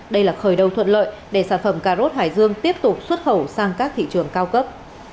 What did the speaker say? đây là khởi đầu thuận lợi để sản phẩm cà rốt hải dương tiếp tục xuất khẩu sang các thị trường cao cấp